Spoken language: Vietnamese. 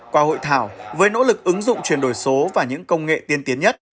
qua hội thảo với nỗ lực ứng dụng chuyển đổi số và những công nghệ tiên tiến nhất